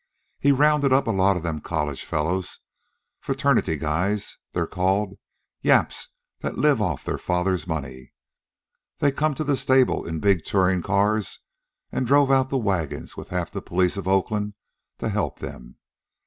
He rounded up a lot of them college fellows fraternity guys, they're called yaps that live off their fathers' money. They come to the stable in big tourin' cars an' drove out the wagons with half the police of Oakland to help them.